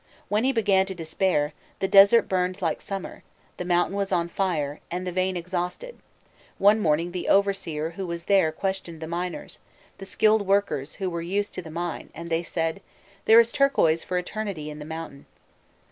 When he began to despair, "the desert burned like summer, the mountain was on fire, and the vein exhausted; one morning the overseer who was there questioned the miners, the skilled workers who were used to the mine, and they said: 'There is turquoise for eternity in the mountain.